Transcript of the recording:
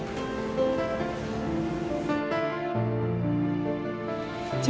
cepet pulih ya